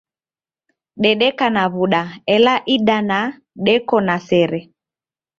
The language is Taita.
Dedeka na w'uda, ela idana deko na sere.